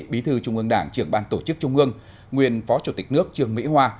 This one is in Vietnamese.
bí thư trung ương đảng trưởng ban tổ chức trung ương nguyên phó chủ tịch nước trường mỹ hoa